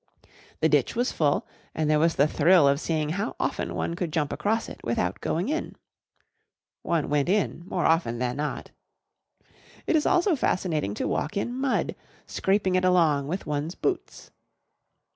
The ditch was full and there was the thrill of seeing how often one could jump across it without going in. One went in more often than not. It is also fascinating to walk in mud, scraping it along with one's boots.